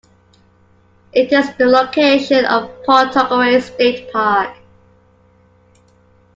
It is the location of Pawtuckaway State Park.